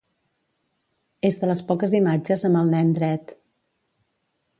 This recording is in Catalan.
És de les poques imatges amb el nen dret.